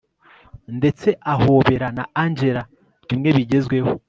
ndetse ahobera na angella bimwe bigezweho